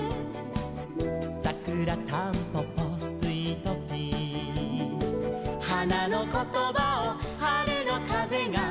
「さくらたんぽぽスイトピー」「花のことばを春のかぜが」